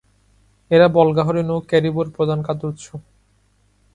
এরা বল্গাহরিণ ও ক্যারিবোর প্রধান খাদ্য উৎস।